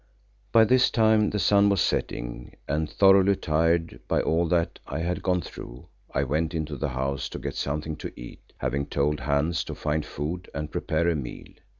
By this time the sun was setting and thoroughly tired by all that I had gone through, I went into the house to get something to eat, having told Hans to find food and prepare a meal.